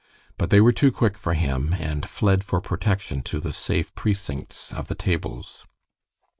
But they were too quick for him, and fled for protection to the safe precincts of the tables.